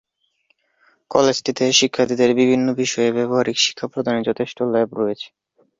কলেজটিতে শিক্ষার্থীদের বিভিন্ন বিষয়ে ব্যবহারিক শিক্ষা প্রদানের যথেষ্ট ল্যাব রয়েছে।